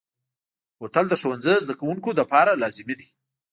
بوتل د ښوونځي زده کوونکو لپاره لازمي دی.